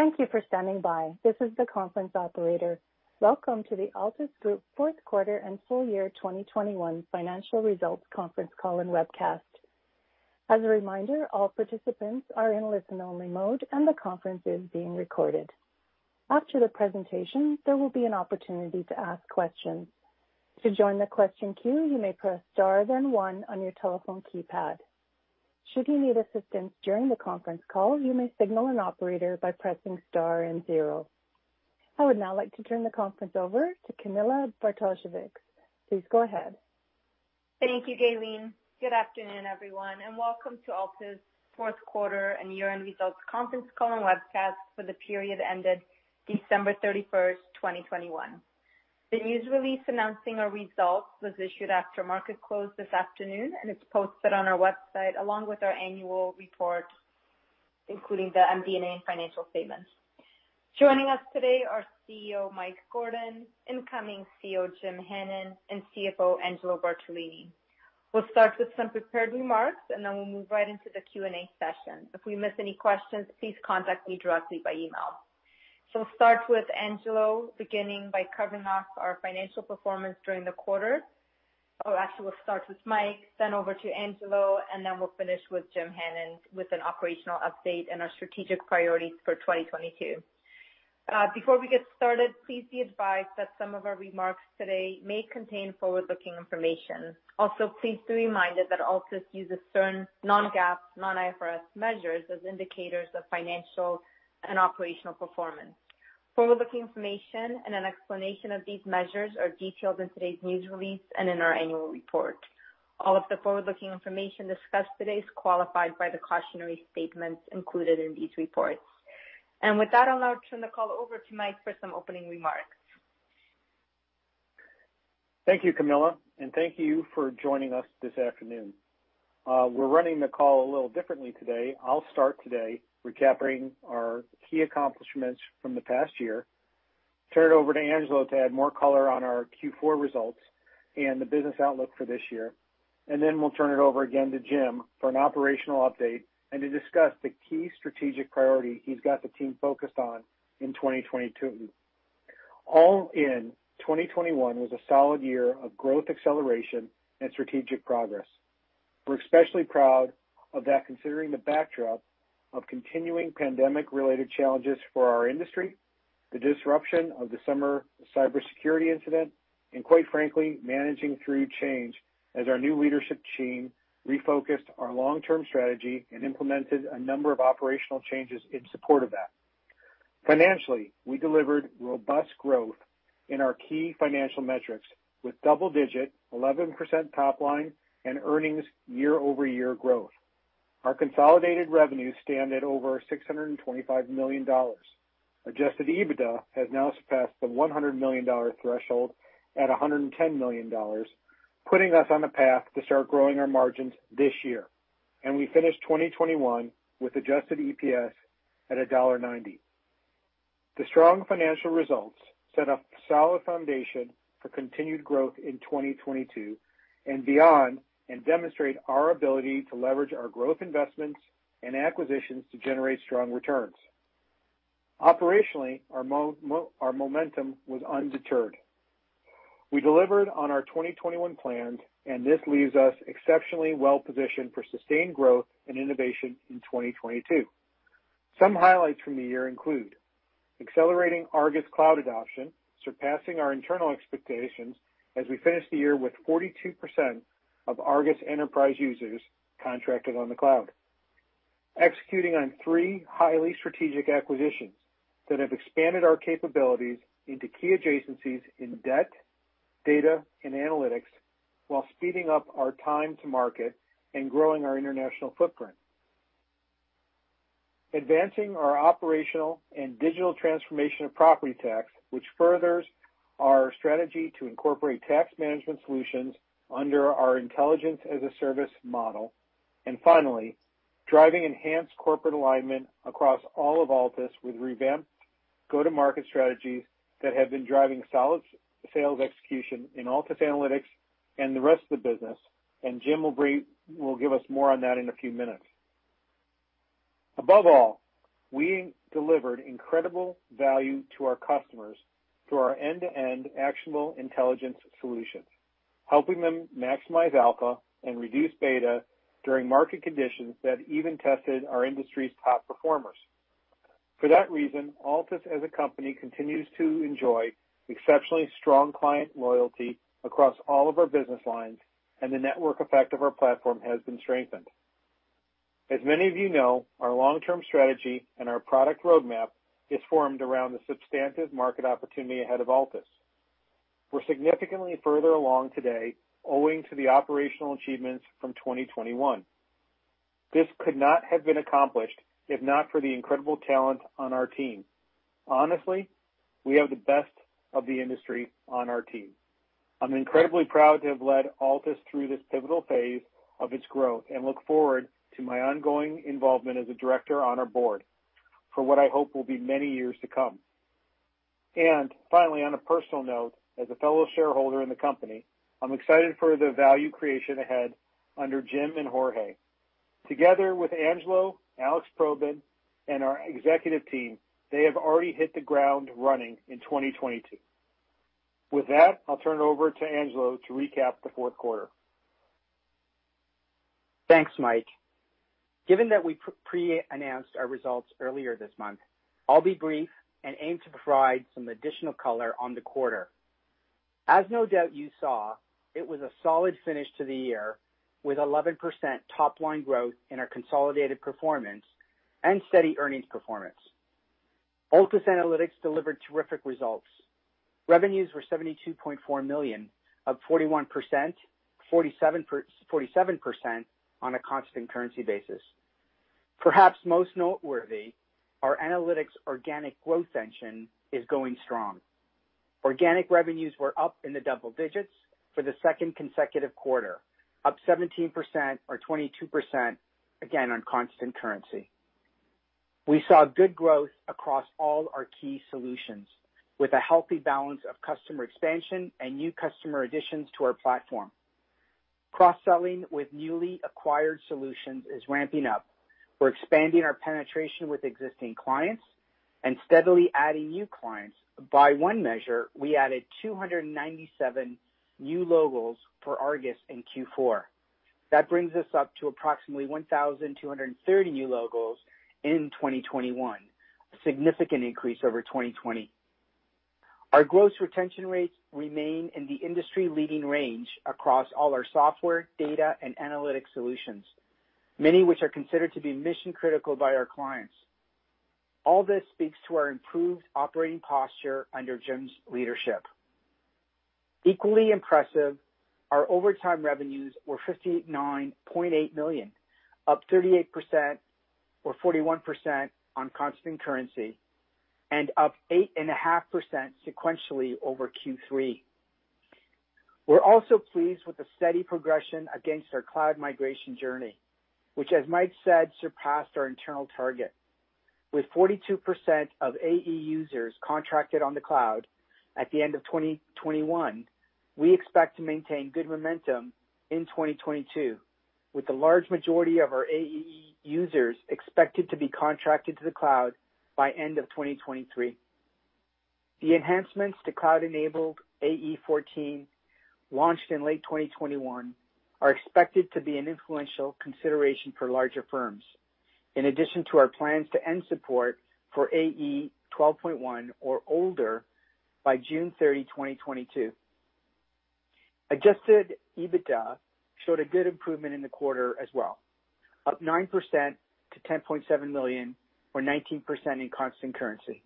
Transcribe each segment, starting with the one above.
Thank you for standing by. This is the conference operator. Welcome to the Altus Group fourth quarter and full year 2021 financial results conference call and webcast. As a reminder, all participants are in listen-only mode and the conference is being recorded. After the presentation, there will be an opportunity to ask questions. To join the question queue, you may press Star then one on your telephone keypad. Should you need assistance during the conference call, you may signal an operator by pressing Star and zero. I would now like to turn the conference over to Camilla Bartosiewicz. Please go ahead. Thank you, Caitlin. Good afternoon, everyone, and welcome to Altus fourth quarter and year-end results conference call and webcast for the period ended December 31, 2021. The news release announcing our results was issued after market close this afternoon and it's posted on our website along with our annual report, including the MD&A financial statements. Joining us today are CEO Mike Gordon, incoming CEO Jim Hannon, and CFO Angelo Bartolini. We'll start with some prepared remarks, and then we'll move right into the Q&A session. If we miss any questions, please contact me directly by email. We'll start with Mike, then over to Angelo, and then we'll finish with Jim Hannon with an operational update and our strategic priorities for 2022. Before we get started, please be advised that some of our remarks today may contain forward-looking information. Also, please be reminded that Altus uses certain non-GAAP, non-IFRS measures as indicators of financial and operational performance. Forward-looking information and an explanation of these measures are detailed in today's news release and in our annual report. All of the forward-looking information discussed today is qualified by the cautionary statements included in these reports. With that, I'll now turn the call over to Mike for some opening remarks. Thank you, Camilla, and thank you for joining us this afternoon. We're running the call a little differently today. I'll start today recapping our key accomplishments from the past year, turn it over to Angelo to add more color on our Q4 results and the business outlook for this year. We'll turn it over again to Jim for an operational update and to discuss the key strategic priority he's got the team focused on in 2022. All in, 2021 was a solid year of growth acceleration and strategic progress. We're especially proud of that considering the backdrop of continuing pandemic-related challenges for our industry, the disruption of the summer cybersecurity incident, and quite frankly, managing through change as our new leadership team refocused our long-term strategy and implemented a number of operational changes in support of that. Financially, we delivered robust growth in our key financial metrics with double-digit 11% top line and earnings year-over-year growth. Our consolidated revenues stand at over 625 million dollars. Adjusted EBITDA has now surpassed the 100 million dollar threshold at 110 million dollars, putting us on a path to start growing our margins this year. We finished 2021 with adjusted EPS at $90. The strong financial results set a solid foundation for continued growth in 2022 and beyond, and demonstrate our ability to leverage our growth investments and acquisitions to generate strong returns. Operationally, our momentum was undeterred. We delivered on our 2021 plans, and this leaves us exceptionally well-positioned for sustained growth and innovation in 2022. Some highlights from the year include accelerating ARGUS Cloud adoption, surpassing our internal expectations as we finish the year with 42% of ARGUS Enterprise users contracted on the cloud. Executing on three highly strategic acquisitions that have expanded our capabilities into key adjacencies in debt, data, and analytics while speeding up our time to market and growing our international footprint. Advancing our operational and digital transformation of Property Tax, which furthers our strategy to incorporate tax management solutions under our Intelligence-as-a-Service model. Finally, driving enhanced corporate alignment across all of Altus with revamped go-to-market strategies that have been driving solid sales execution in Altus Analytics and the rest of the business. Jim will give us more on that in a few minutes. Above all, we delivered incredible value to our customers through our end-to-end actionable intelligence solutions, helping them maximize alpha and reduce beta during market conditions that even tested our industry's top performers. For that reason, Altus as a company continues to enjoy exceptionally strong client loyalty across all of our business lines, and the network effect of our platform has been strengthened. As many of you know, our long-term strategy and our product roadmap is formed around the substantive market opportunity ahead of Altus. We're significantly further along today owing to the operational achievements from 2021. This could not have been accomplished if not for the incredible talent on our team. Honestly, we have the best of the industry on our team. I'm incredibly proud to have led Altus through this pivotal phase of its growth and look forward to my ongoing involvement as a director on our board for what I hope will be many years to come. Finally, on a personal note, as a fellow shareholder in the company, I'm excited for the value creation ahead under Jim and Jorge. Together with Angelo, Alex Probyn, and our executive team, they have already hit the ground running in 2022. With that, I'll turn it over to Angelo to recap the fourth quarter. Thanks, Mike. Given that we pre-announced our results earlier this month, I'll be brief and aim to provide some additional color on the quarter. As no doubt you saw, it was a solid finish to the year, with 11% top-line growth in our consolidated performance and steady earnings performance. Altus Analytics delivered terrific results. Revenues were 72.4 million, up 41%, 47% on a constant currency basis. Perhaps most noteworthy, our analytics organic growth engine is going strong. Organic revenues were up in the double digits for the second consecutive quarter, up 17% or 22% again on constant currency. We saw good growth across all our key solutions, with a healthy balance of customer expansion and new customer additions to our platform. Cross-selling with newly acquired solutions is ramping up. We're expanding our penetration with existing clients and steadily adding new clients. By one measure, we added 297 new logos for ARGUS in Q4. That brings us up to approximately 1,230 new logos in 2021, a significant increase over 2020. Our gross retention rates remain in the industry-leading range across all our software, data, and analytics solutions, many which are considered to be mission-critical by our clients. All this speaks to our improved operating posture under Jim's leadership. Equally impressive, our recurring revenues were 59.8 million, up 38% or 41% on constant currency, and up 8.5% sequentially over Q3. We're also pleased with the steady progression against our cloud migration journey, which, as Mike said, surpassed our internal target. With 42% of AE users contracted on the cloud at the end of 2021, we expect to maintain good momentum in 2022, with the large majority of our AE users expected to be contracted to the cloud by end of 2023. The enhancements to cloud-enabled AE 14, launched in late 2021, are expected to be an influential consideration for larger firms, in addition to our plans to end support for AE 12.1 or older by June 30, 2022. Adjusted EBITDA showed a good improvement in the quarter as well, up 9% to 10.7 million or 19% in constant currency.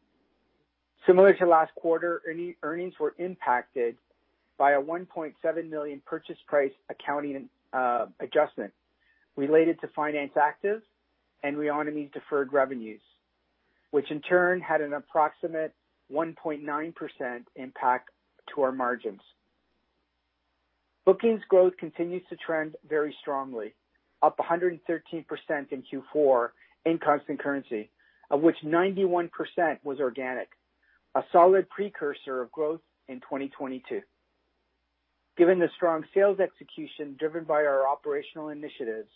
Similar to last quarter, earnings were impacted by a 1.7 million purchase price accounting adjustment related to Finance Active and Reonomy deferred revenues, which in turn had an approximate 1.9% impact to our margins. Bookings growth continues to trend very strongly, up 113% in Q4 in constant currency, of which 91% was organic, a solid precursor of growth in 2022. Given the strong sales execution driven by our operational initiatives,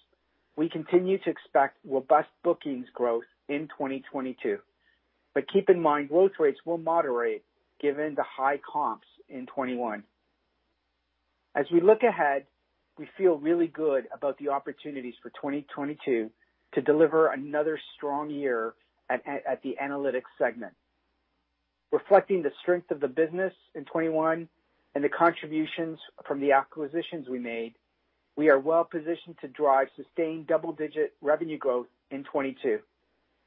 we continue to expect robust bookings growth in 2022. Keep in mind, growth rates will moderate given the high comps in 2021. As we look ahead, we feel really good about the opportunities for 2022 to deliver another strong year at the analytics segment. Reflecting the strength of the business in 2021 and the contributions from the acquisitions we made, we are well-positioned to drive sustained double-digit revenue growth in 2022,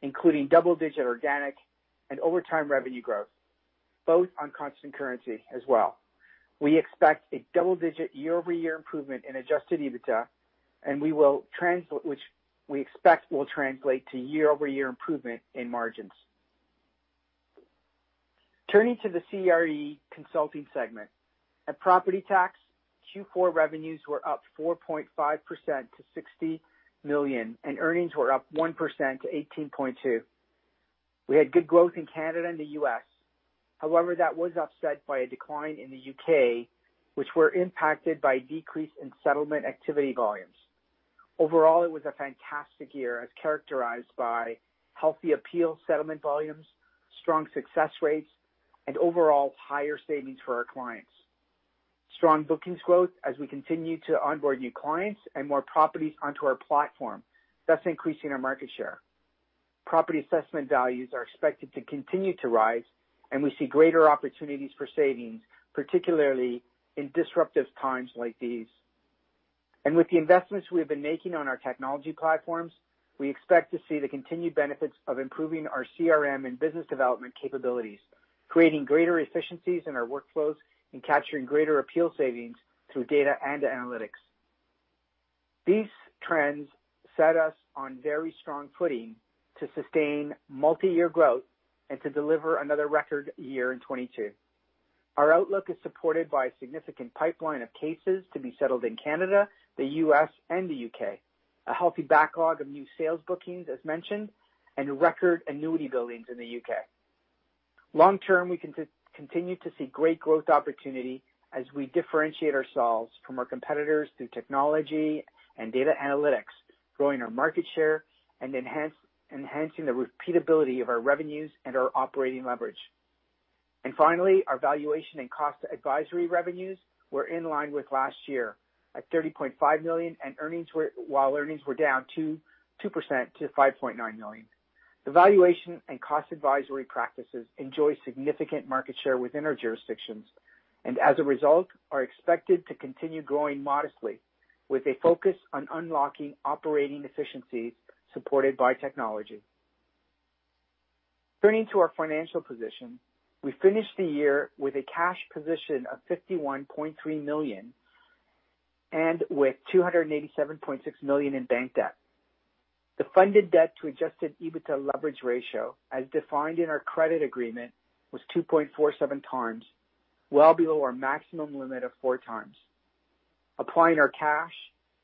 including double-digit organic and inorganic revenue growth, both on constant currency as well. We expect a double-digit year-over-year improvement in adjusted EBITDA, and which we expect will translate to year-over-year improvement in margins. Turning to the CRE consulting segment. At Property Tax, Q4 revenues were up 4.5% to 60 million, and earnings were up 1% to 18.2 million. We had good growth in Canada and the U.S. However, that was offset by a decline in the U.K., which were impacted by a decrease in settlement activity volumes. Overall, it was a fantastic year as characterized by healthy appeal settlement volumes, strong success rates, and overall higher savings for our clients. Strong bookings growth as we continue to onboard new clients and more properties onto our platform. That's increasing our market share. Property assessment values are expected to continue to rise, and we see greater opportunities for savings, particularly in disruptive times like these. With the investments we have been making on our technology platforms, we expect to see the continued benefits of improving our CRM and business development capabilities, creating greater efficiencies in our workflows and capturing greater appeal savings through data and analytics. These trends set us on very strong footing to sustain multi-year growth and to deliver another record year in 2022. Our outlook is supported by a significant pipeline of cases to be settled in Canada, the U.S., and the U.K., a healthy backlog of new sales bookings, as mentioned, and record annuity billings in the U.K. Long term, we continue to see great growth opportunity as we differentiate ourselves from our competitors through technology and data analytics, growing our market share and enhancing the repeatability of our revenues and our operating leverage. Finally, our Valuation and Cost Advisory revenues were in line with last year at 30.5 million, and while earnings were down 2% to 5.9 million. The Valuation and Cost Advisory practices enjoy significant market share within our jurisdictions, and as a result, are expected to continue growing modestly with a focus on unlocking operating efficiencies supported by technology. Turning to our financial position, we finished the year with a cash position of 51.3 million and with 287.6 million in bank debt. The funded debt to Adjusted EBITDA leverage ratio, as defined in our credit agreement, was 2.47 times, well below our maximum limit of 4 times. Applying our cash,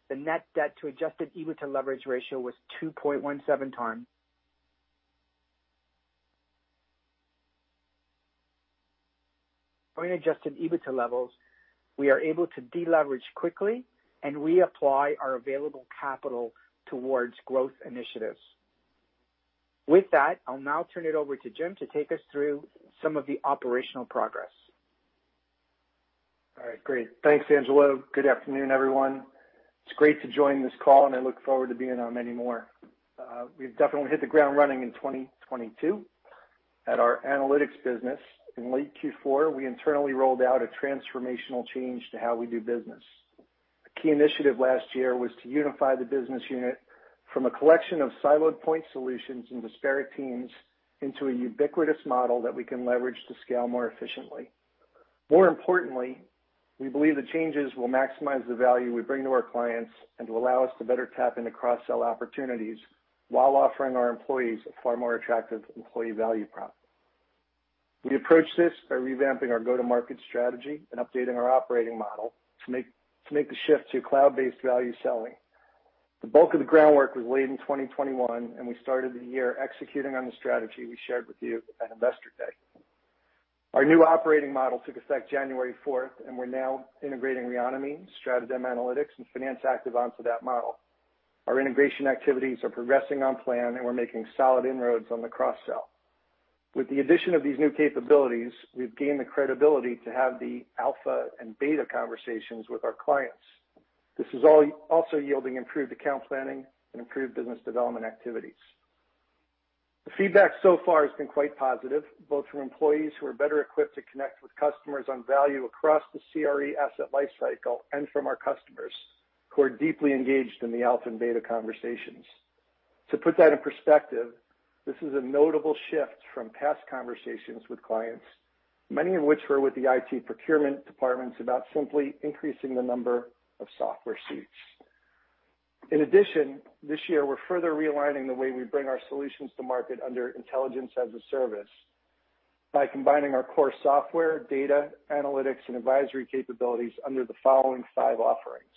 the net debt to Adjusted EBITDA leverage ratio was 2.17 times. At our Adjusted EBITDA levels, we are able to deleverage quickly, and we apply our available capital towards growth initiatives. With that, I'll now turn it over to Jim to take us through some of the operational progress. All right, great. Thanks, Angelo. Good afternoon, everyone. It's great to join this call, and I look forward to being on many more. We've definitely hit the ground running in 2022. At our analytics business in late Q4, we internally rolled out a transformational change to how we do business. A key initiative last year was to unify the business unit from a collection of siloed point solutions and disparate teams into a ubiquitous model that we can leverage to scale more efficiently. More importantly, we believe the changes will maximize the value we bring to our clients and will allow us to better tap into cross-sell opportunities while offering our employees a far more attractive employee value prop. We approached this by revamping our go-to-market strategy and updating our operating model to make the shift to cloud-based value selling. The bulk of the groundwork was laid in 2021, and we started the year executing on the strategy we shared with you at Investor Day. Our new operating model took effect January 4, and we're now integrating Reonomy, StratoDem Analytics, and Finance Active onto that model. Our integration activities are progressing on plan, and we're making solid inroads on the cross-sell. With the addition of these new capabilities, we've gained the credibility to have the alpha and beta conversations with our clients. This is also yielding improved account planning and improved business development activities. The feedback so far has been quite positive, both from employees who are better equipped to connect with customers on value across the CRE asset lifecycle and from our customers who are deeply engaged in the alpha and beta conversations. To put that in perspective, this is a notable shift from past conversations with clients, many of which were with the IT procurement departments about simply increasing the number of software seats. In addition, this year, we're further realigning the way we bring our solutions to market under Intelligence-as-a-Service by combining our core software, data, analytics, and advisory capabilities under the following five offerings,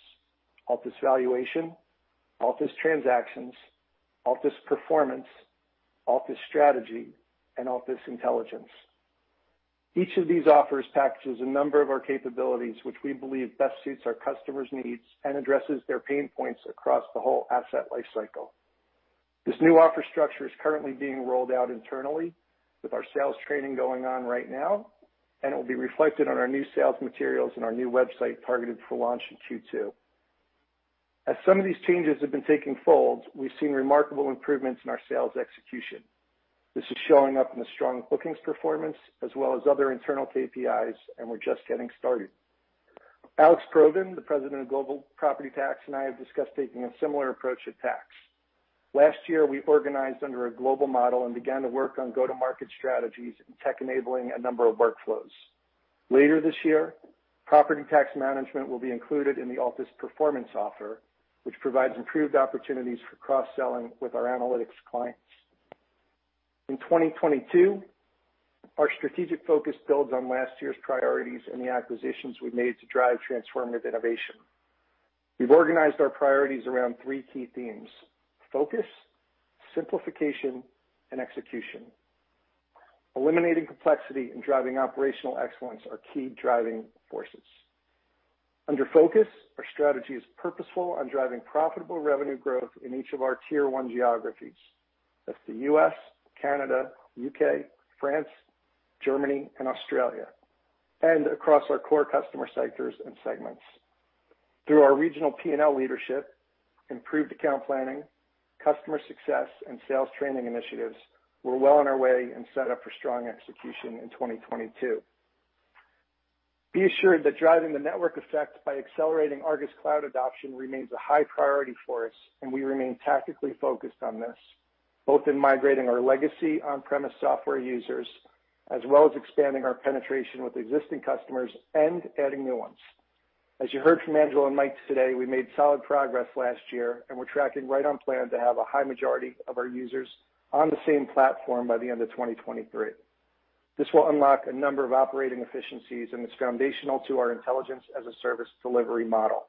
Altus Valuation, Altus Transactions, Altus Performance, Altus Strategy, and Altus Intelligence. Each of these offers packages a number of our capabilities which we believe best suits our customers' needs and addresses their pain points across the whole asset lifecycle. This new offer structure is currently being rolled out internally with our sales training going on right now, and it will be reflected on our new sales materials and our new website targeted for launch in Q2. As some of these changes have been taking hold, we've seen remarkable improvements in our sales execution. This is showing up in the strong bookings performance as well as other internal KPIs, and we're just getting started. Alex Probyn, the President of Global Property Tax, and I have discussed taking a similar approach at tax. Last year, we organized under a global model and began to work on go-to-market strategies and tech-enabling a number of workflows. Later this year, Property Tax management will be included in the Altus Performance offer, which provides improved opportunities for cross-selling with our analytics clients. In 2022, our strategic focus builds on last year's priorities and the acquisitions we've made to drive transformative innovation. We've organized our priorities around three key themes. Focus, simplification, and execution. Eliminating complexity and driving operational excellence are key driving forces. Under focus, our strategy is purposeful on driving profitable revenue growth in each of our tier one geographies. That's the U.S., Canada, U.K., France, Germany, and Australia, and across our core customer sectors and segments. Through our regional P&L leadership, improved account planning, customer success, and sales training initiatives, we're well on our way and set up for strong execution in 2022. Be assured that driving the network effect by accelerating ARGUS Cloud adoption remains a high priority for us, and we remain tactically focused on this, both in migrating our legacy on-premise software users, as well as expanding our penetration with existing customers and adding new ones. As you heard from Angelo and Mike today, we made solid progress last year, and we're tracking right on plan to have a high majority of our users on the same platform by the end of 2023. This will unlock a number of operating efficiencies, and it's foundational to our Intelligence-as-a-Service delivery model.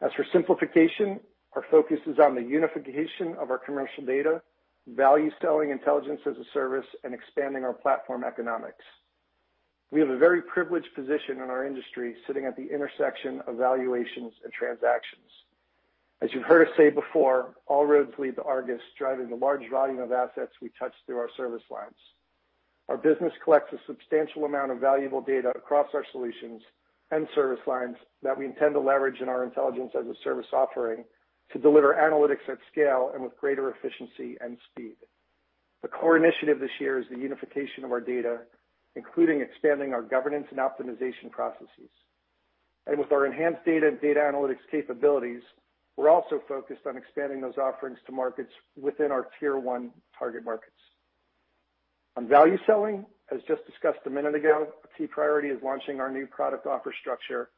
As for simplification, our focus is on the unification of our commercial data, value selling Intelligence-as-a-Service, and expanding our platform economics. We have a very privileged position in our industry sitting at the intersection of valuations and transactions. As you've heard us say before, all roads lead to ARGUS, driving the large volume of assets we touch through our service lines. Our business collects a substantial amount of valuable data across our solutions and service lines that we intend to leverage in our Intelligence-as-a-Service offering to deliver analytics at scale and with greater efficiency and speed. The core initiative this year is the unification of our data, including expanding our governance and optimization processes. With our enhanced data and data analytics capabilities, we're also focused on expanding those offerings to markets within our tier one target markets. On value selling, as just discussed a minute ago, a key priority is launching our new product offer structure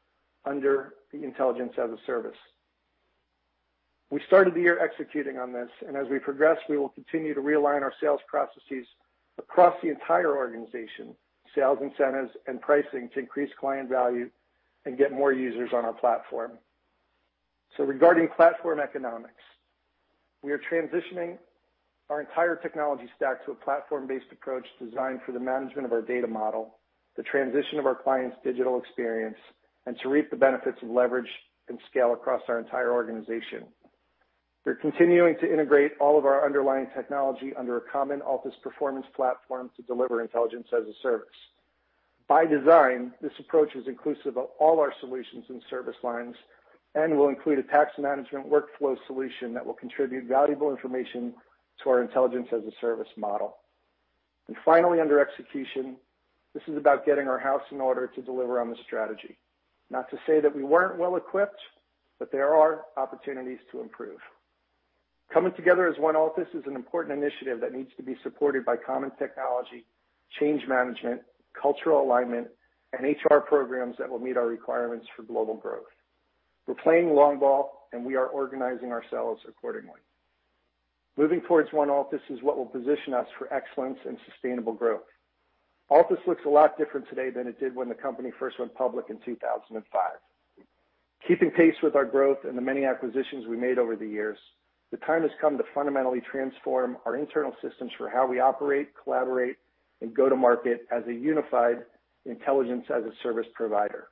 under the Intelligence-as-a-Service. We started the year executing on this, and as we progress, we will continue to realign our sales processes across the entire organization, sales incentives and pricing to increase client value and get more users on our platform. Regarding platform economics, we are transitioning our entire technology stack to a platform-based approach designed for the management of our data model, the transition of our clients' digital experience, and to reap the benefits of leverage and scale across our entire organization. We're continuing to integrate all of our underlying technology under a common office performance platform to deliver Intelligence-as-a-Service. By design, this approach is inclusive of all our solutions and service lines and will include a tax management workflow solution that will contribute valuable information to our Intelligence-as-a-Service model. Finally, under execution, this is about getting our house in order to deliver on the strategy. Not to say that we weren't well equipped, but there are opportunities to improve. Coming together as one office is an important initiative that needs to be supported by common technology, change management, cultural alignment, and HR programs that will meet our requirements for global growth. We're playing long ball, and we are organizing ourselves accordingly. Moving towards one office is what will position us for excellence and sustainable growth. Altus looks a lot different today than it did when the company first went public in 2005. Keeping pace with our growth and the many acquisitions we made over the years, the time has come to fundamentally transform our internal systems for how we operate, collaborate, and go to market as a unified Intelligence-as-a-Service provider.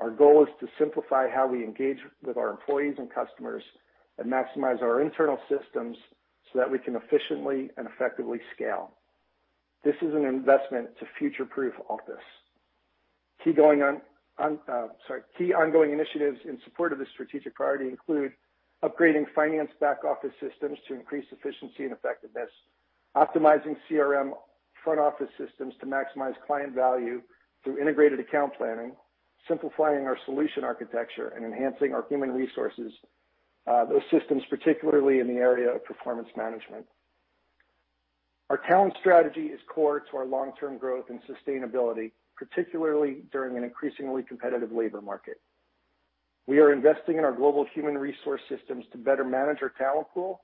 Our goal is to simplify how we engage with our employees and customers and maximize our internal systems so that we can efficiently and effectively scale. This is an investment to future-proof Altus. Key ongoing initiatives in support of this strategic priority include upgrading finance back-office systems to increase efficiency and effectiveness, optimizing CRM front-office systems to maximize client value through integrated account planning, simplifying our solution architecture, and enhancing our human resources, those systems, particularly in the area of performance management. Our talent strategy is core to our long-term growth and sustainability, particularly during an increasingly competitive labor market. We are investing in our global human resource systems to better manage our talent pool,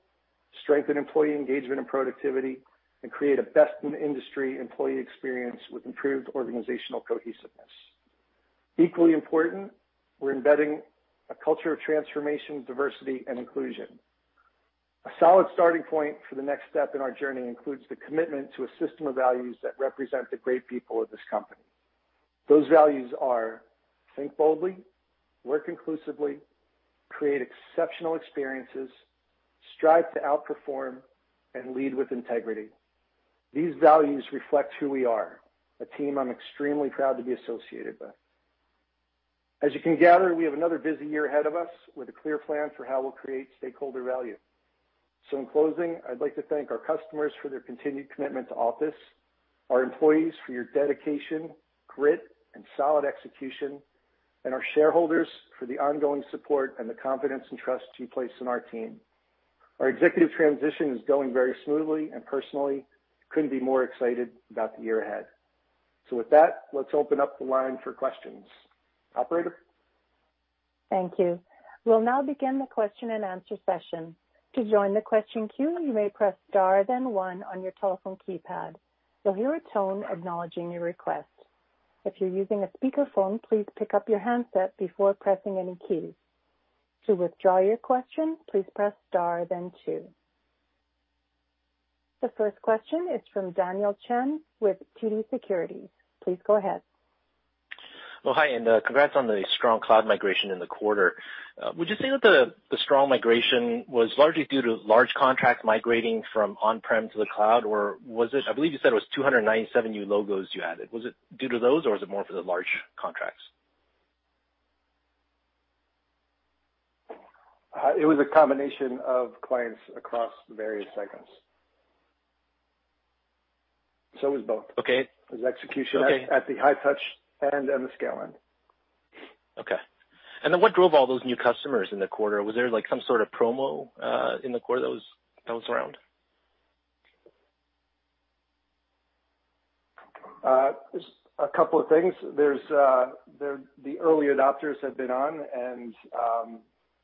strengthen employee engagement and productivity, and create a best-in-industry employee experience with improved organizational cohesiveness. Equally important, we're embedding a culture of transformation, diversity, and inclusion. A solid starting point for the next step in our journey includes the commitment to a system of values that represent the great people of this company. Those values are think boldly, work inclusively, create exceptional experiences, strive to outperform, and lead with integrity. These values reflect who we are, a team I'm extremely proud to be associated with. As you can gather, we have another busy year ahead of us with a clear plan for how we'll create stakeholder value. In closing, I'd like to thank our customers for their continued commitment to Altus, our employees for your dedication, grit, and solid execution, and our shareholders for the ongoing support and the confidence and trust you place in our team. Our executive transition is going very smoothly, and personally, couldn't be more excited about the year ahead. With that, let's open up the line for questions. Operator? Thank you. We'll now begin the question-and-answer session. To join the question queue, you may press star then one on your telephone keypad. You'll hear a tone acknowledging your request. If you're using a speakerphone, please pick up your handset before pressing any keys. To withdraw your question, please press star then two. The first question is from Daniel Chan with TD Securities. Please go ahead. Well, hi, and congrats on the strong cloud migration in the quarter. Would you say that the strong migration was largely due to large contracts migrating from on-prem to the cloud? Or was it? I believe you said it was 297 new logos you added. Was it due to those, or was it more for the large contracts? It was a combination of clients across various segments. It was both. Okay. It was execution. Okay. At the high touch end and the scale end. Okay. What drove all those new customers in the quarter? Was there, like, some sort of promo in the quarter that was around? Just a couple of things. The early adopters have been on, and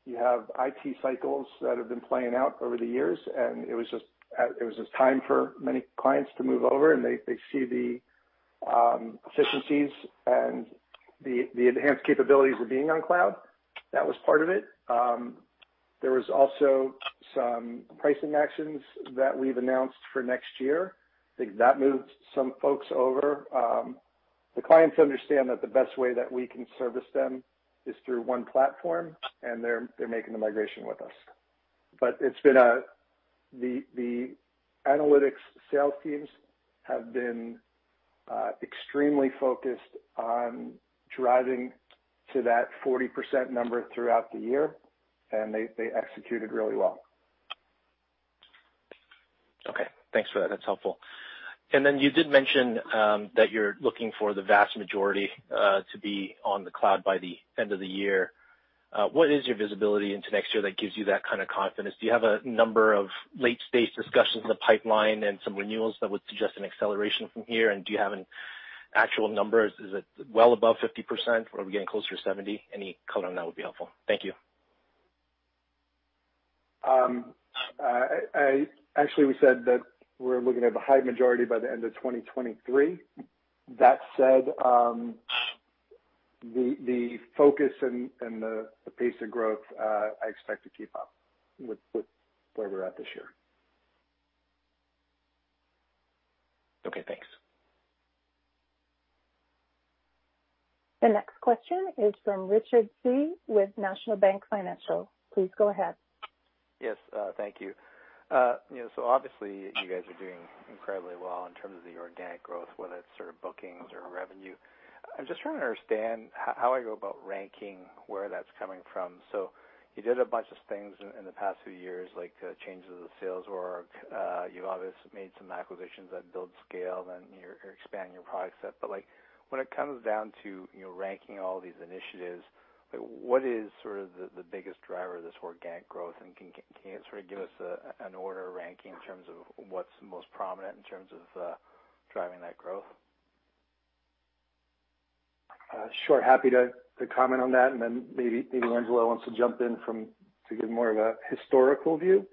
you have IT cycles that have been playing out over the years, and it was just time for many clients to move over, and they see the efficiencies and the enhanced capabilities of being on cloud. That was part of it. There was also some pricing actions that we've announced for next year. I think that moved some folks over. The clients understand that the best way that we can service them is through one platform, and they're making the migration with us. The analytics sales teams have been extremely focused on driving to that 40% number throughout the year, and they executed really well. Okay. Thanks for that. That's helpful. You did mention that you're looking for the vast majority to be on the cloud by the end of the year. What is your visibility into next year that gives you that kind of confidence? Do you have a number of late-stage discussions in the pipeline and some renewals that would suggest an acceleration from here? Do you have an actual number? Is it well above 50%? Are we getting closer to 70%? Any color on that would be helpful. Thank you. Actually, we said that we're looking at the high majority by the end of 2023. That said, the focus and the pace of growth, I expect to keep up with where we're at this year. Okay, thanks. The next question is from Richard Tse with National Bank Financial. Please go ahead. Yes, thank you. You know, obviously you guys are doing incredibly well in terms of the organic growth, whether it's sort of bookings or revenue. I'm just trying to understand how I go about ranking where that's coming from. You did a bunch of things in the past few years, like, changes to the sales org. You've obviously made some acquisitions that build scale, and you're expanding your product set. Like, when it comes down to, you know, ranking all these initiatives, what is sort of the biggest driver of this organic growth? Can you sort of give us an order ranking in terms of what's most prominent in terms of driving that growth? Sure. Happy to comment on that, and then maybe Angelo wants to jump in to give more of a historical view.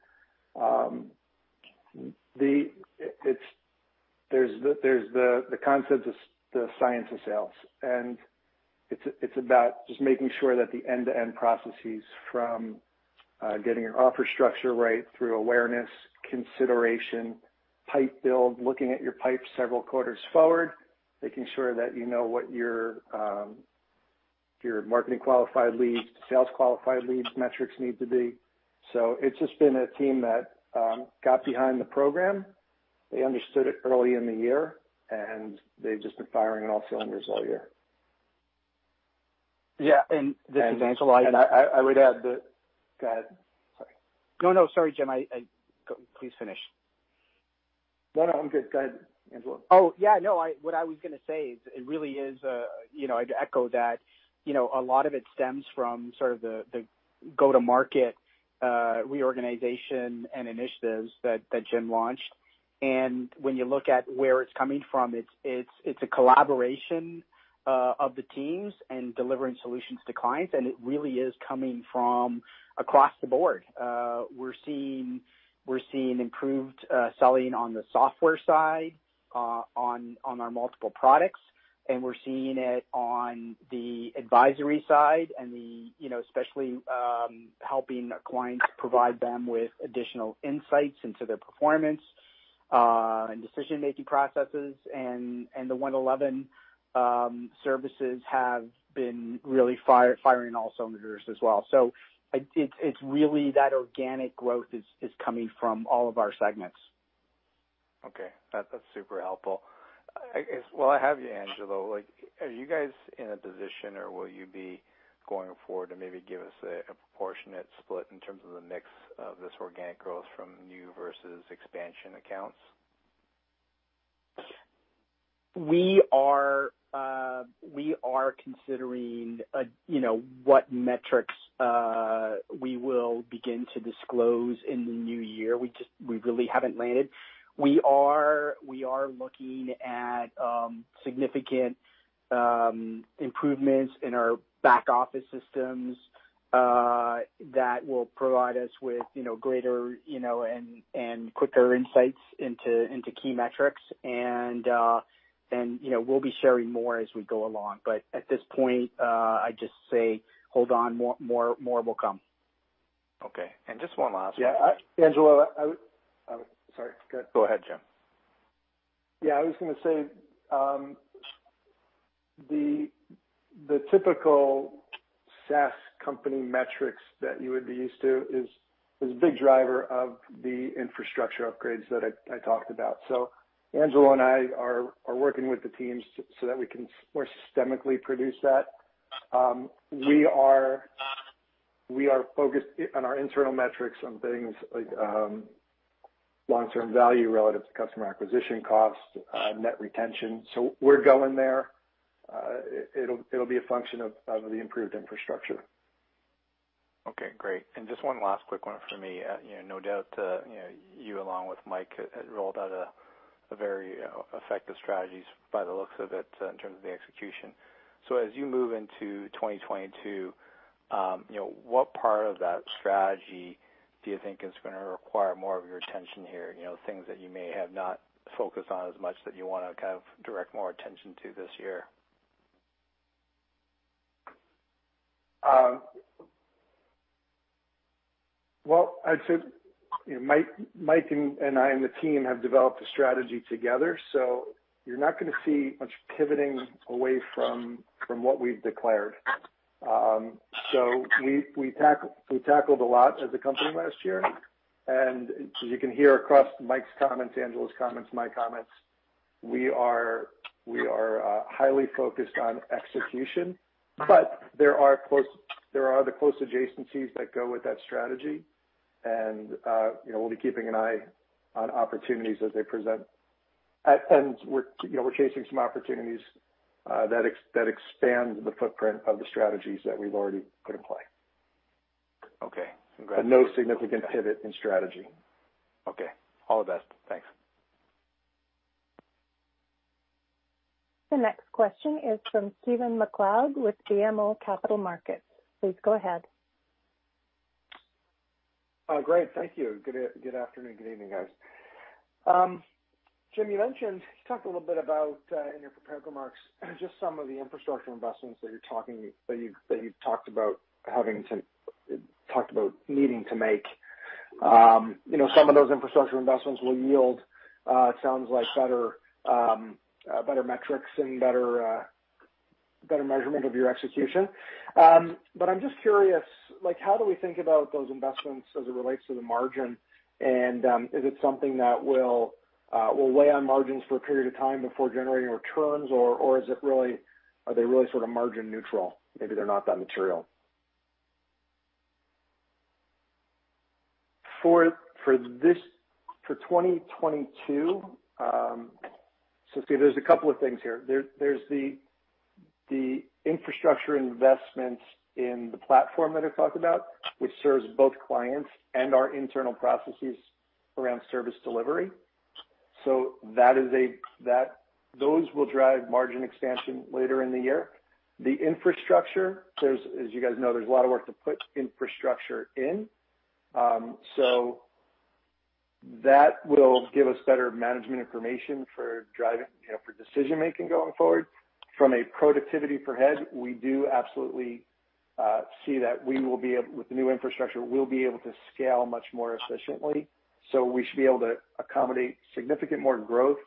There's the concept of the science of sales, and it's about just making sure that the end-to-end processes from getting your offer structure right through awareness, consideration, pipe build, looking at your pipe several quarters forward, making sure that you know what your marketing qualified leads to sales qualified leads metrics need to be. It's just been a team that got behind the program. They understood it early in the year, and they've just been firing on all cylinders all year. Yeah, this is Angelo. I would add that. Go ahead. Sorry. No, no. Sorry, Jim. Please finish. No, no, I'm good. Go ahead, Angelo. Oh, yeah. No, what I was going to say is it really is, you know, I'd echo that, you know, a lot of it stems from sort of the go-to-market reorganization and initiatives that Jim launched. When you look at where it's coming from, it's a collaboration of the teams in delivering solutions to clients, and it really is coming from across the board. We're seeing improved selling on the software side, on our multiple products, and we're seeing it on the advisory side and, you know, especially helping clients provide them with additional insights into their performance and decision-making processes. The One Eleven services have been really firing all cylinders as well. It's really that organic growth is coming from all of our segments. Okay. That's super helpful. I guess, while I have you, Angelo, like, are you guys in a position or will you be going forward to maybe give us a proportionate split in terms of the mix of this organic growth from new versus expansion accounts? We are considering, you know, what metrics we will begin to disclose in the new year. We really haven't landed. We are looking at significant improvements in our back office systems that will provide us with, you know, greater, you know, and quicker insights into key metrics. You know, we'll be sharing more as we go along. At this point, I'd just say hold on. More will come. Okay. Just one last one. Yeah. Angelo, I would. Sorry. Go ahead. Go ahead, Jim. Yeah, I was gonna say, the typical SaaS company metrics that you would be used to is a big driver of the infrastructure upgrades that I talked about. Angelo and I are working with the teams so that we can more systematically produce that. We are focused on our internal metrics on things like, long-term value relative to customer acquisition costs, net retention. We're going there. It'll be a function of the improved infrastructure. Okay, great. Just one last quick one for me. You know, no doubt, you know, you along with Mike had rolled out a very effective strategies by the looks of it in terms of the execution. As you move into 2022, you know, what part of that strategy do you think is gonna require more of your attention here, you know, things that you may have not focused on as much that you wanna kind of direct more attention to this year? Well, I'd say, you know, Mike and I and the team have developed a strategy together. You're not gonna see much pivoting away from what we've declared. We tackled a lot as a company last year, and as you can hear across Mike's comments, Angelo's comments, my comments, we are highly focused on execution. There are the close adjacencies that go with that strategy. You know, we'll be keeping an eye on opportunities as they present. You know, we're chasing some opportunities that expand the footprint of the strategies that we've already put in play. Okay. No significant pivot in strategy. Okay. All the best. Thanks. The next question is from Stephen MacLeod with BMO Capital Markets. Please go ahead. Great. Thank you. Good afternoon. Good evening, guys. Jim, you talked a little bit about, in your prepared remarks, just some of the infrastructure investments that you've talked about needing to make. You know, some of those infrastructure investments will yield, it sounds like better metrics and better measurement of your execution. But I'm just curious, like, how do we think about those investments as it relates to the margin? Is it something that will weigh on margins for a period of time before generating returns? Or are they really sort of margin neutral, maybe they're not that material? For 2022, there's a couple of things here. There's the infrastructure investments in the platform that I talked about, which serves both clients and our internal processes around service delivery. Those will drive margin expansion later in the year. The infrastructure, as you guys know, there's a lot of work to put infrastructure in. That will give us better management information for driving, you know, for decision-making going forward. From a productivity per head, we do absolutely see that with the new infrastructure, we'll be able to scale much more efficiently. We should be able to accommodate significantly more growth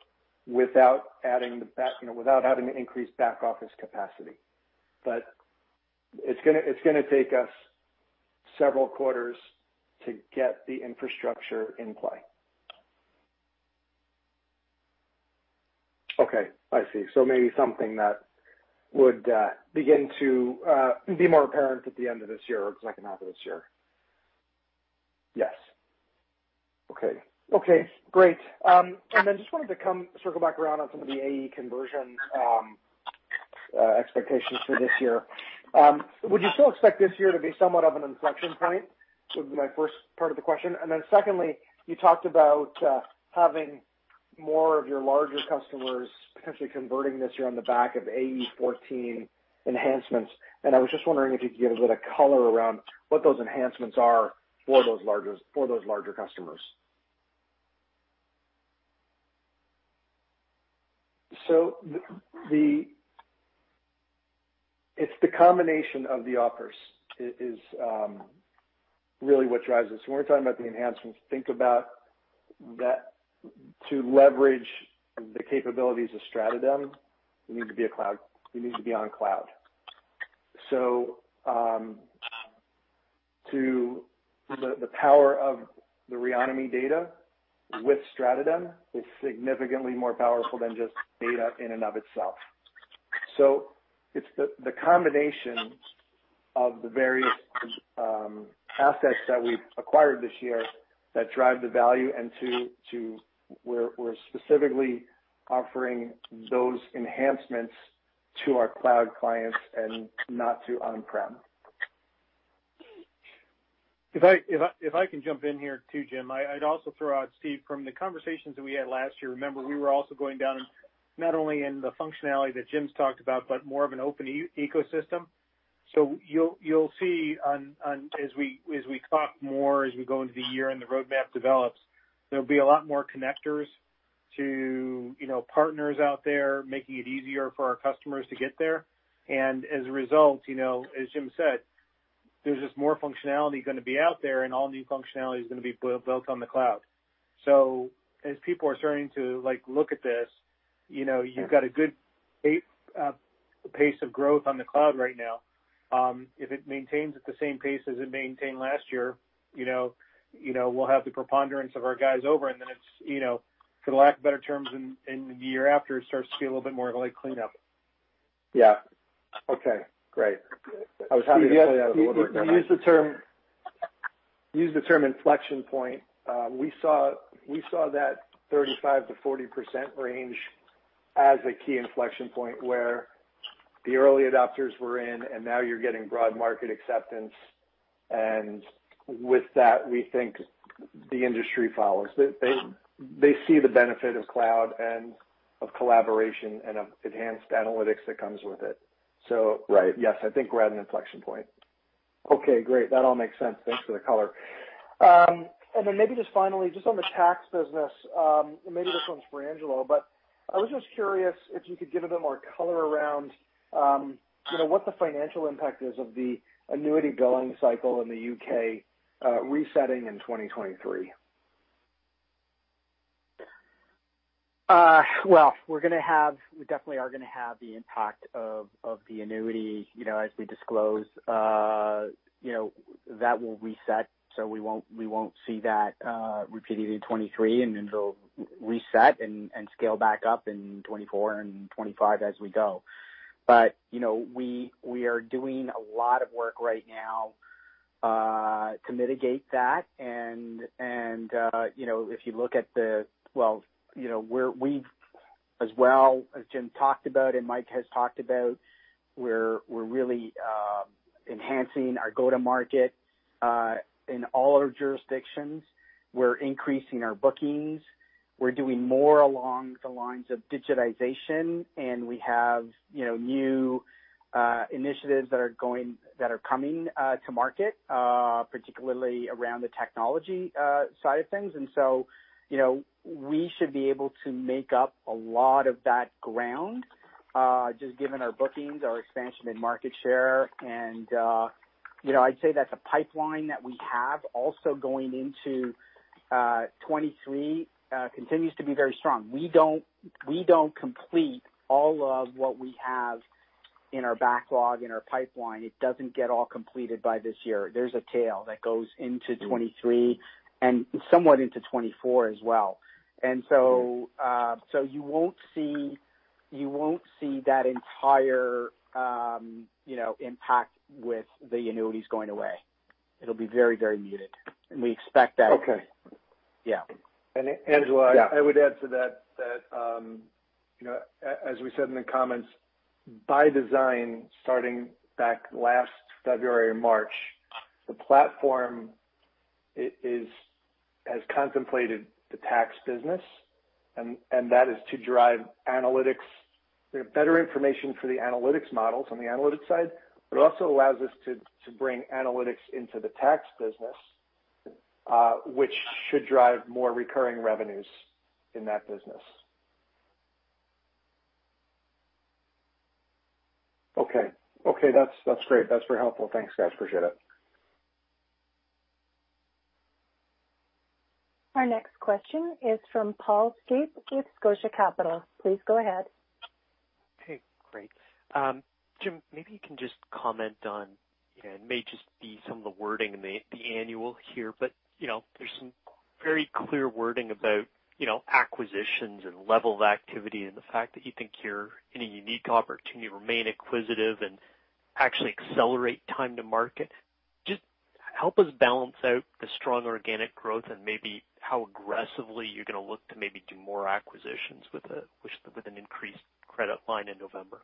without, you know, having to increase back office capacity. It's gonna take us several quarters to get the infrastructure in play. Okay, I see. Maybe something that would begin to be more apparent at the end of this year or second half of this year? Yes. Okay. Okay, great. Just wanted to come circle back around on some of the AE conversion expectations for this year. Would you still expect this year to be somewhat of an inflection point? It would be my first part of the question. Secondly, you talked about having more of your larger customers potentially converting this year on the back of AE 14 enhancements, and I was just wondering if you could give a bit of color around what those enhancements are for those larger customers. It's the combination of the offerings is really what drives this. When we're talking about the enhancements, think about that to leverage the capabilities of StratoDem, we need to be on cloud. The power of the Reonomy data with StratoDem is significantly more powerful than just data in and of itself. It's the combination of the various assets that we've acquired this year that drive the value and to where we're specifically offering those enhancements to our cloud clients and not to on-prem. If I can jump in here too, Jim, I'd also throw out, Steve, from the conversations that we had last year, remember, we were also going down, not only in the functionality that Jim's talked about, but more of an open ecosystem. You'll see as we talk more, as we go into the year and the roadmap develops, there'll be a lot more connectors to, you know, partners out there making it easier for our customers to get there. As a result, you know, as Jim said, there's just more functionality gonna be out there, and all new functionality is gonna be built on the cloud. As people are starting to, like, look at this, you know, you've got a good pace of growth on the cloud right now. If it maintains at the same pace as it maintained last year, you know, we'll have the preponderance of our guys over, and then it's, you know, for lack of a better term, in the year after, it starts to be a little bit more of a late cleanup. Yeah. Okay, great. I was happy to say that a little bit earlier. You used the term inflection point. We saw that 35%-40% range as a key inflection point where the early adopters were in, and now you're getting broad market acceptance. With that, we think the industry follows. They see the benefit of cloud and of collaboration and of enhanced analytics that comes with it. Right. Yes, I think we're at an inflection point. Okay, great. That all makes sense. Thanks for the color. Maybe just finally, just on the tax business, and maybe this one's for Angelo, but I was just curious if you could give a bit more color around, you know, what the financial impact is of the annuity billing cycle in the U.K., resetting in 2023. Well, we're definitely gonna have the impact of the annuity, you know, as we disclose. You know, that will reset, so we won't see that repeated in 2023, and then it'll reset and scale back up in 2024 and 2025 as we go. You know, we are doing a lot of work right now to mitigate that. You know, if you look at the well, you know, we've as well, as Jim talked about and Mike has talked about, we're really enhancing our go-to-market in all our jurisdictions. We're increasing our bookings. We're doing more along the lines of digitization, and we have, you know, new initiatives that are coming to market, particularly around the technology side of things. You know, we should be able to make up a lot of that ground, just given our bookings, our expansion in market share. You know, I'd say that the pipeline that we have also going into 2023 continues to be very strong. We don't complete all of what we have in our backlog, in our pipeline. It doesn't get all completed by this year. There's a tail that goes into 2023 and somewhat into 2024 as well. You won't see that entire, you know, impact with the annuities going away. It'll be very, very muted, and we expect that. Okay. Yeah. Angelo Yeah. I would add to that, you know, as we said in the comments, by design, starting back last February or March, the platform has contemplated the tax business, and that is to drive analytics. You know, better information for the analytics models on the analytics side, but also allows us to bring analytics into the tax business, which should drive more recurring revenues in that business. Okay, that's great. That's very helpful. Thanks, guys. Appreciate it. Our next question is from Paul Steep with Scotia Capital. Please go ahead. Okay, great. Jim, maybe you can just comment on, you know, it may just be some of the wording in the annual here, but you know, there's some very clear wording about, you know, acquisitions and level of activity and the fact that you think you're in a unique opportunity to remain acquisitive and actually accelerate time to market. Just help us balance out the strong organic growth and maybe how aggressively you're gonna look to maybe do more acquisitions with an increased credit line in November.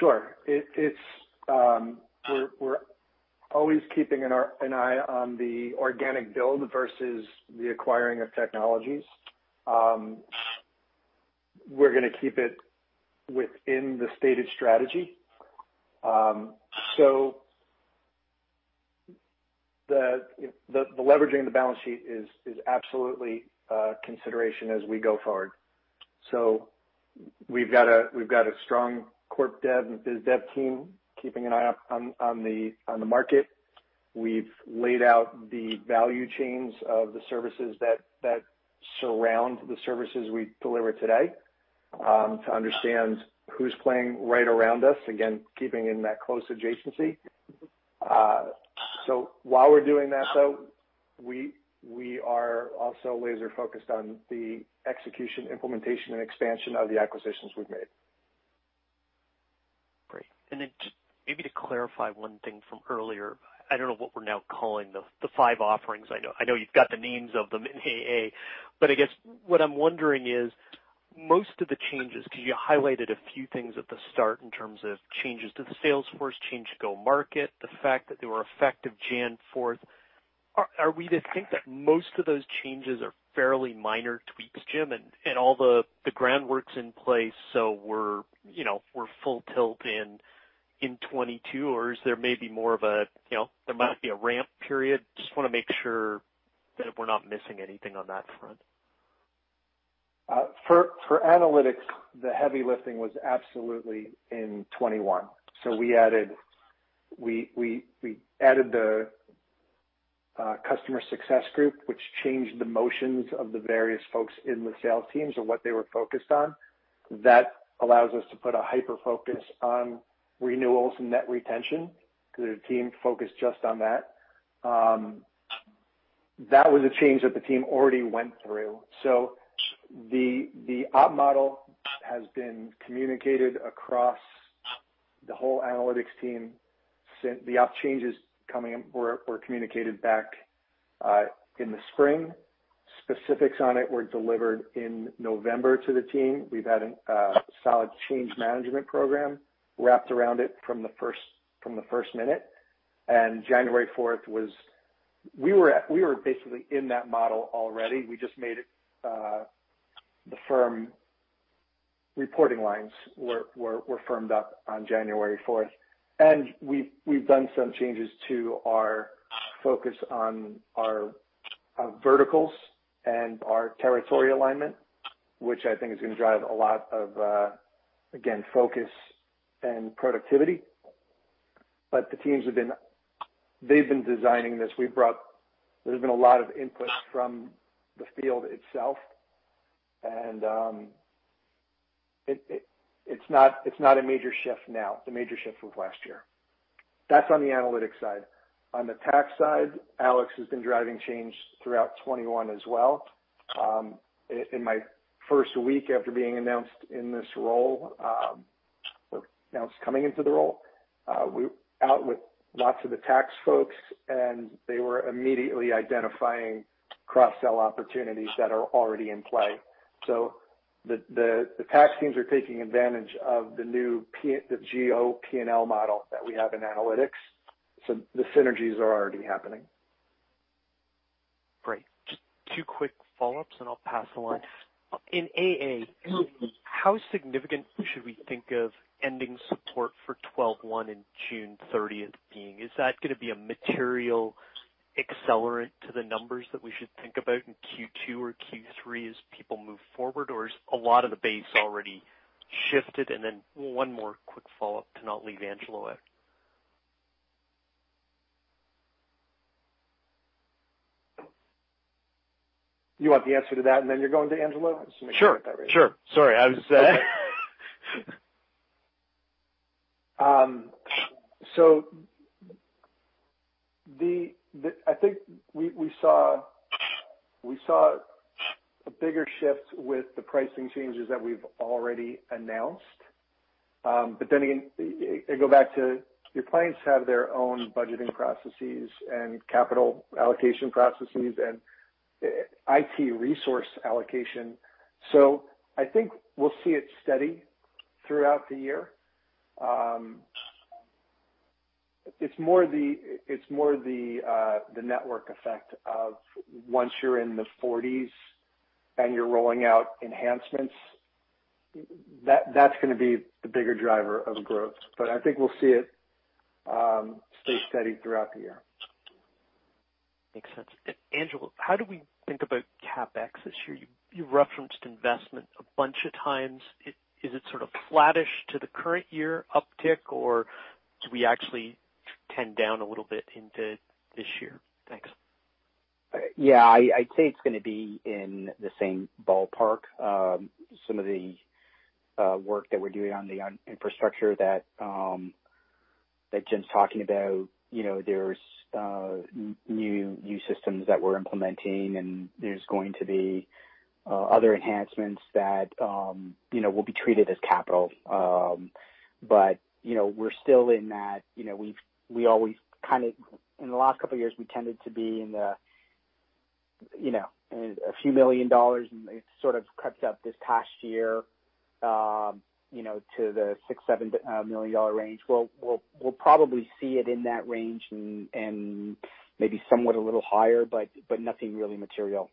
Sure. We're always keeping an eye on the organic build versus the acquiring of technologies. We're gonna keep it within the stated strategy. The leveraging of the balance sheet is absolutely a consideration as we go forward. We've got a strong corp dev and biz dev team keeping an eye out on the market. We've laid out the value chains of the services that surround the services we deliver today to understand who's playing right around us, again, keeping in that close adjacency. While we're doing that, though, we are also laser focused on the execution, implementation, and expansion of the acquisitions we've made. Great. Just maybe to clarify one thing from earlier. I don't know what we're now calling the five offerings. I know you've got the names of them in AA, but I guess what I'm wondering is, most of the changes, 'cause you highlighted a few things at the start in terms of changes to the sales force, change to go-to-market, the fact that they were effective Jan. 4. Are we to think that most of those changes are fairly minor tweaks, Jim, and all the groundwork's in place, so we're, you know, full tilt in 2022? Or is there maybe more of a, you know, there might be a ramp period? Just wanna make sure that we're not missing anything on that front. For analytics, the heavy lifting was absolutely in 2021. We added the customer success group, which changed the motions of the various folks in the sales teams and what they were focused on. That allows us to put a hyper-focus on renewals and net retention, 'cause there's a team focused just on that. That was a change that the team already went through. The op model has been communicated across the whole analytics team since the op changes coming in were communicated back in the spring. Specifics on it were delivered in November to the team. We've had a solid change management program wrapped around it from the first minute. January fourth, we were basically in that model already. We just made it. The firm reporting lines were firmed up on January fourth. We've done some changes to our focus on our verticals and our territory alignment, which I think is gonna drive a lot of again, focus and productivity. The teams have been designing this. There's been a lot of input from the field itself, and it's not a major shift now. The major shift was last year. That's on the analytics side. On the tax side, Alex has been driving change throughout 2021 as well. In my first week after being announced in this role, or announced coming into the role, we were out with lots of the tax folks, and they were immediately identifying cross-sell opportunities that are already in play. The tax teams are taking advantage of the new geo P&L model that we have in analytics, so the synergies are already happening. Great. Just two quick follow-ups, and I'll pass along. In AA, how significant should we think of ending support for 12.1 and June 30 being? Is that gonna be a material accelerant to the numbers that we should think about in Q2 or Q3 as people move forward, or is a lot of the base already shifted? One more quick follow-up to not leave Angelo out. You want the answer to that, and then you're going to Angelo? I just wanna make sure I got that right. Sure, sure. Sorry. I was, I think we saw a bigger shift with the pricing changes that we've already announced. It goes back to your clients have their own budgeting processes and capital allocation processes and IT resource allocation. I think we'll see it steady throughout the year. It's more the network effect of once you're in the forties and you're rolling out enhancements, that's gonna be the bigger driver of growth. I think we'll see it stay steady throughout the year. Makes sense. Angelo, how do we think about CapEx this year? You referenced investment a bunch of times. Is it sort of flattish to the current year uptick, or do we actually trend down a little bit into this year? Thanks. Yeah, I'd say it's gonna be in the same ballpark. Some of the work that we're doing on the infrastructure that Jim's talking about, you know, there's new systems that we're implementing, and there's going to be other enhancements that you know will be treated as capital. But you know we're still in that, you know, we always kind of in the last couple of years we tended to be in a few million CAD, and it sort of crept up this past year you know to the 6-7 million dollar range. We'll probably see it in that range and maybe somewhat a little higher, but nothing really material.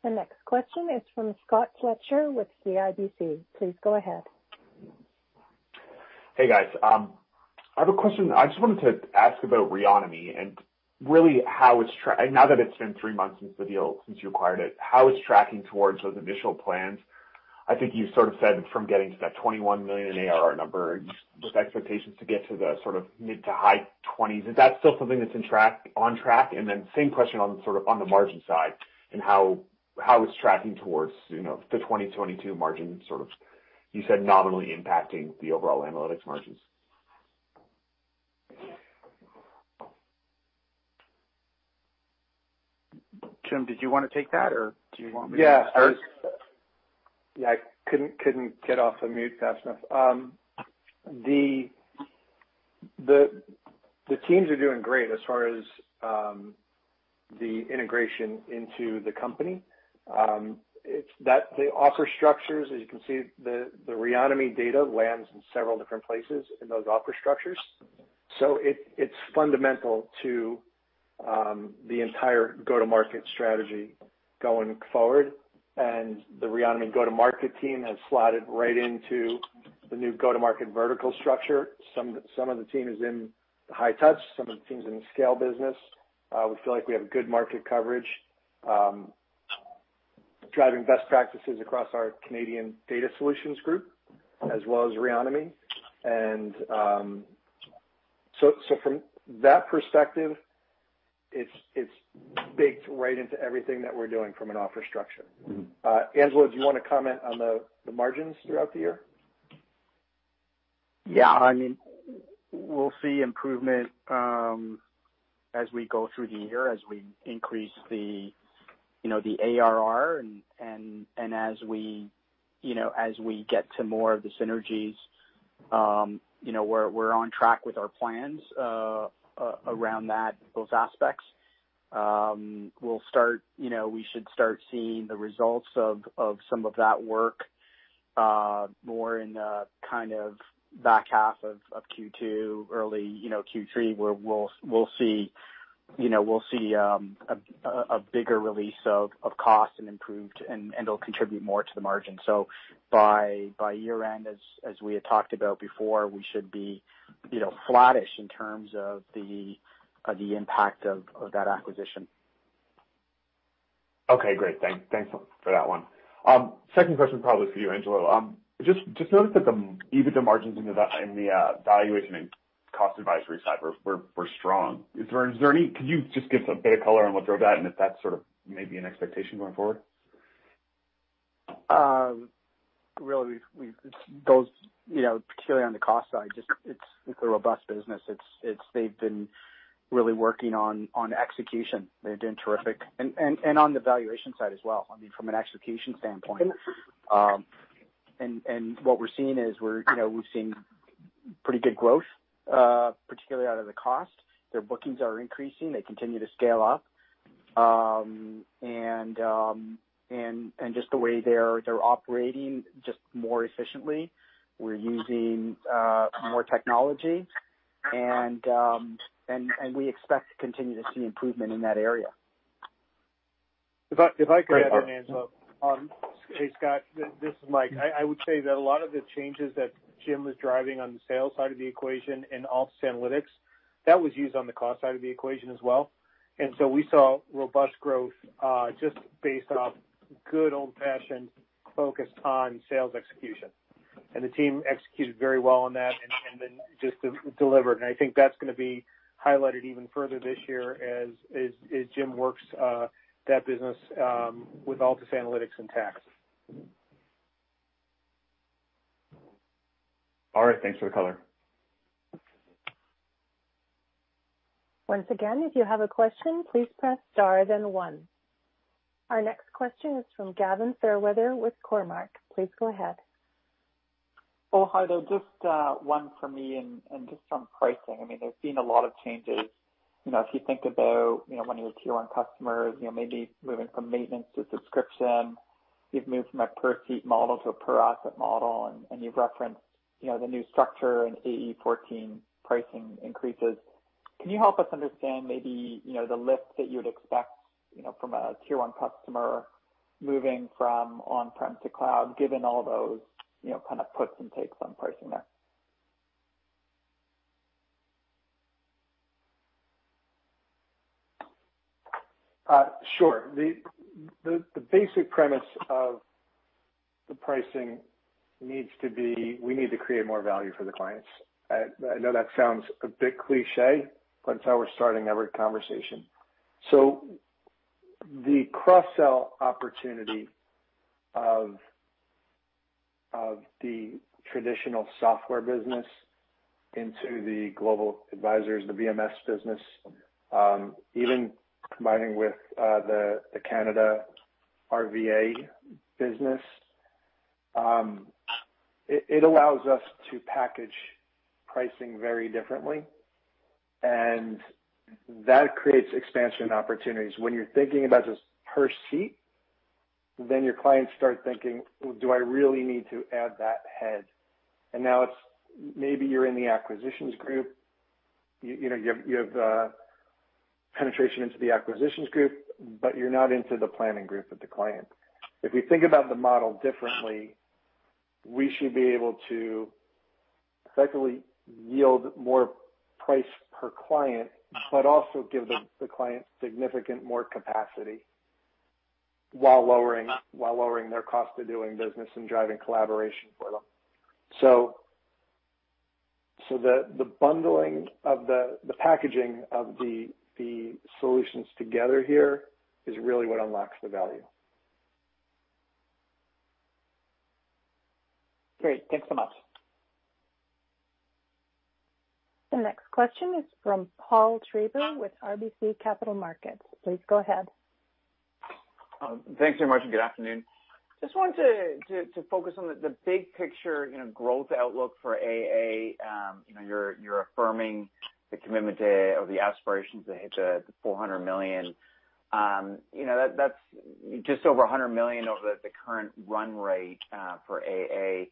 Great. Thank you. The next question is from Scott Fletcher with CIBC. Please go ahead. Hey, guys. I have a question. I just wanted to ask about Reonomy and really now that it's been three months since the deal, since you acquired it, how it's tracking towards those initial plans. I think you sort of said from getting to that 21 million ARR number with expectations to get to the sort of mid- to high-20s. Is that still something that's on track? Same question on sort of on the margin side and how it's tracking towards, you know, the 2022 margin sort of you said nominally impacting the overall analytics margins. Jim, did you wanna take that, or do you want me to take it? Yeah. Yeah, I couldn't get off the mute fast enough. The teams are doing great as far as the integration into the company. It's the offer structures, as you can see, the Reonomy data lands in several different places in those offer structures. So it's fundamental to the entire go-to-market strategy going forward. The Reonomy go-to-market team has slotted right into the new go-to-market vertical structure. Some of the team is in the high touch, some of the team is in the scale business. We feel like we have good market coverage, driving best practices across our Canadian Data Solutions group as well as Reonomy. So from that perspective, it's baked right into everything that we're doing from an offer structure. Mm-hmm. Angelo, do you wanna comment on the margins throughout the year? Yeah. I mean, we'll see improvement as we go through the year, as we increase the, you know, the ARR and as we, you know, as we get to more of the synergies, you know, we're on track with our plans around those aspects. We'll start. You know, we should start seeing the results of some of that work more in the kind of back half of Q2, early, you know, Q3, where we'll see, you know, we'll see a bigger release of cost and improved, and it'll contribute more to the margin. So by year-end, as we had talked about before, we should be, you know, flattish in terms of the impact of that acquisition. Okay. Great. Thanks for that one. Second question probably for you, Angelo. Just noticed that the EBITDA margins in the valuation and advisory side were strong. Could you just give a bit of color on what drove that, and if that's sort of maybe an expectation going forward? Really, we've. It's those, you know, particularly on the cost side. Just, it's a robust business. They've been really working on execution. They're doing terrific. On the valuation side as well, I mean, from an execution standpoint. What we're seeing is, you know, we've seen pretty good growth, particularly out of the cost. Their bookings are increasing. They continue to scale up. Just the way they're operating just more efficiently. We're using more technology and we expect to continue to see improvement in that area. If I could add there, Angelo. Hey, Scott, this is Mike. I would say that a lot of the changes that Jim was driving on the sales side of the equation in Altus Analytics, that was used on the cost side of the equation as well. We saw robust growth just based off good old-fashioned focus on sales execution. The team executed very well on that and then just delivered. I think that's gonna be highlighted even further this year as Jim works that business with Altus Analytics and Tax. All right. Thanks for the color. Once again, if you have a question, please press star then one. Our next question is from Gavin Fairweather with Cormark. Please go ahead. Well, hi there. Just one for me and just on pricing. I mean, there's been a lot of changes. You know, if you think about, you know, one of your tier one customers, you know, maybe moving from maintenance to subscription, you've moved from a per-seat model to a per-asset model, and you've referenced, you know, the new structure and AE 14 pricing increases. Can you help us understand maybe, you know, the lift that you would expect, you know, from a tier one customer moving from on-prem to cloud, given all those, you know, kind of puts and takes on pricing there? Sure. The basic premise of the pricing needs to be, we need to create more value for the clients. I know that sounds a bit cliché, but it's how we're starting every conversation. The cross-sell opportunity of the traditional software business into the global advisors, the VMS business, even combining with the Canada RVA business, it allows us to package pricing very differently, and that creates expansion opportunities. When you're thinking about just per seat, then your clients start thinking, "Well, do I really need to add that head?" Now it's maybe you're in the acquisitions group. You know, you have penetration into the acquisitions group, but you're not into the planning group with the client. If we think about the model differently, we should be able to effectively yield more price per client, but also give the client significant more capacity while lowering their cost of doing business and driving collaboration for them. The bundling of the packaging of the solutions together here is really what unlocks the value. Great. Thanks so much. The next question is from Paul Treiber with RBC Capital Markets. Please go ahead. Thanks very much, and good afternoon. Just wanted to focus on the big picture, you know, growth outlook for AA. You know, you're affirming the commitment to or the aspirations to hit the 400 million. You know, that's just over 100 million over the current run rate for AA. You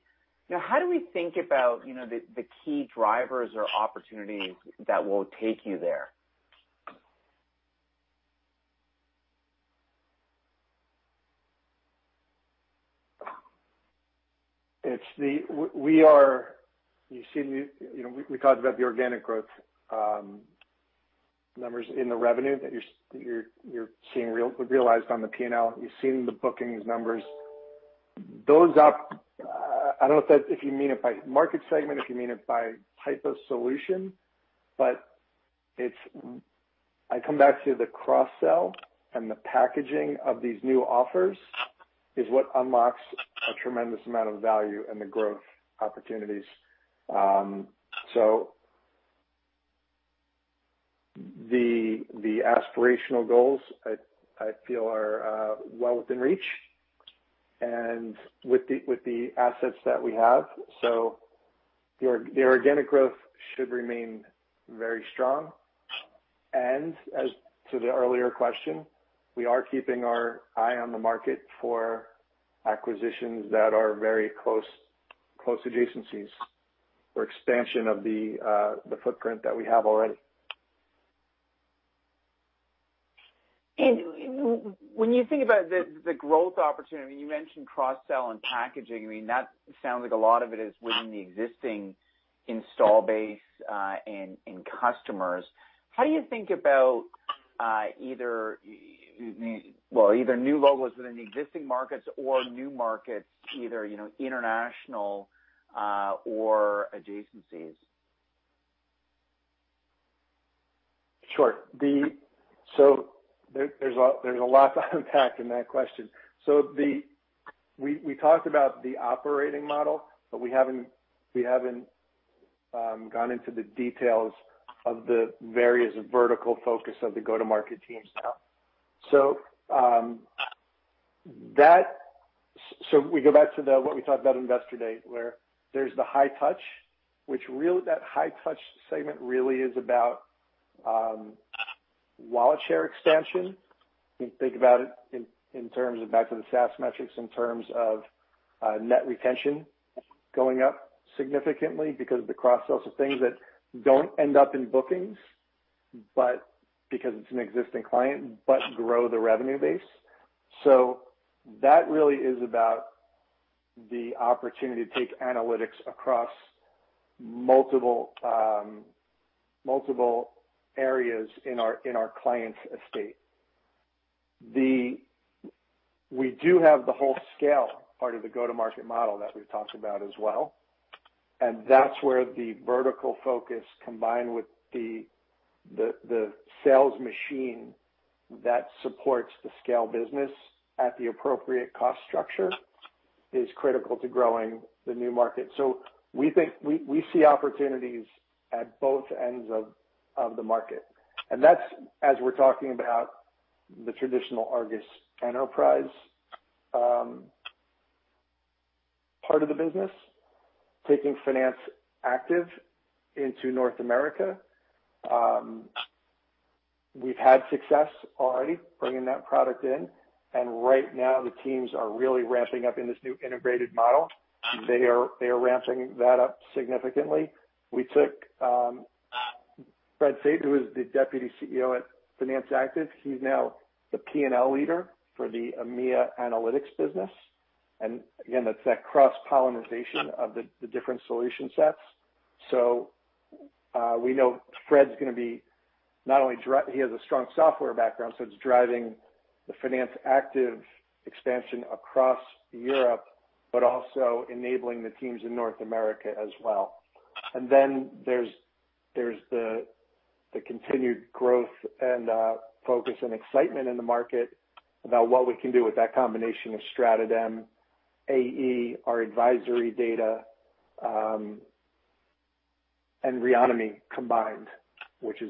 know, how do we think about the key drivers or opportunities that will take you there? You know, we talked about the organic growth numbers in the revenue that you're seeing realized on the P&L. You've seen the bookings numbers. I don't know if you mean it by market segment, if you mean it by type of solution, but I come back to the cross-sell and the packaging of these new offers is what unlocks a tremendous amount of value and the growth opportunities. The aspirational goals I feel are well within reach and with the assets that we have. The organic growth should remain very strong. As to the earlier question, we are keeping our eye on the market for acquisitions that are very close adjacencies for expansion of the footprint that we have already. When you think about the growth opportunity, you mentioned cross-sell and packaging. I mean, that sounds like a lot of it is within the existing install base, and customers. How do you think about, well, either new logos within the existing markets or new markets, either, you know, international, or adjacencies? Sure. There's a lot to unpack in that question. We talked about the operating model, but we haven't gone into the details of the various vertical focus of the go-to-market teams now. We go back to what we talked about Investor Day, where there's the high touch, that high touch segment really is about wallet share expansion. You can think about it in terms of back to the SaaS metrics in terms of net retention going up significantly because of the cross-sell. Things that don't end up in bookings, but because it's an existing client, but grow the revenue base. That really is about the opportunity to take analytics across multiple areas in our clients' estate. We do have the wholesale part of the go-to-market model that we've talked about as well, and that's where the vertical focus combined with the sales machine that supports the scale business at the appropriate cost structure is critical to growing the new market. We see opportunities at both ends of the market. That's as we're talking about the traditional ARGUS Enterprise part of the business, taking Finance Active into North America. We've had success already bringing that product in, and right now the teams are really ramping up in this new integrated model. They are ramping that up significantly. We took Fred Sage, who is the Deputy CEO at Finance Active. He's now the P&L leader for the EMEA analytics business. Again, that's that cross-pollination of the different solution sets. We know Fred's gonna be not only he has a strong software background, so it's driving the Finance Active expansion across Europe, but also enabling the teams in North America as well. There's the continued growth and focus and excitement in the market about what we can do with that combination of StratoDem, AE, our advisory data, and Reonomy combined, which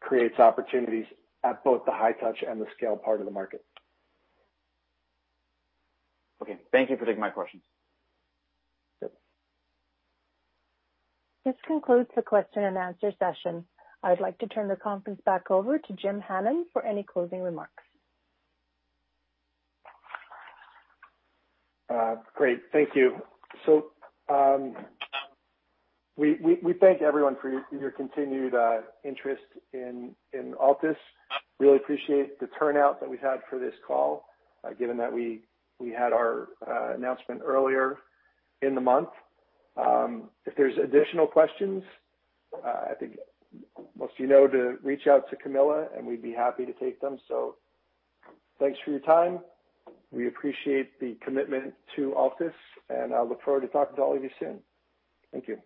creates opportunities at both the high touch and the scale part of the market. Okay. Thank you for taking my questions. Yep. This concludes the question and answer session. I'd like to turn the conference back over to Jim Hannon for any closing remarks. Great. Thank you. We thank everyone for your continued interest in Altus. We really appreciate the turnout that we've had for this call, given that we had our announcement earlier in the month. If there's additional questions, I think most of you know to reach out to Camilla, and we'd be happy to take them. Thanks for your time. We appreciate the commitment to Altus, and I look forward to talking to all of you soon. Thank you.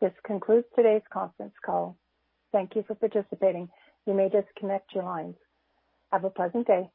This concludes today's conference call. Thank you for participating. You may disconnect your lines. Have a pleasant day.